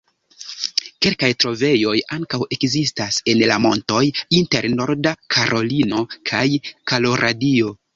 Kelkaj trovejoj ankaŭ ekzistas en la montoj inter Norda Karolino kaj Koloradio.